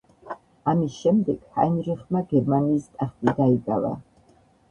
ამის შემდეგ ჰაინრიხმა გერმანიის ტახტი დაიკავა.